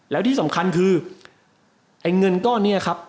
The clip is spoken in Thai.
แล้วที่สำคัญคือไอ้เงินก้อนนี้ครับ